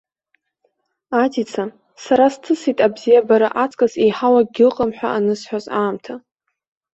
Адица, сара сҭысит абзиабара аҵкыс еиҳау акгьы ыҟам ҳәа анысҳәоз аамҭа.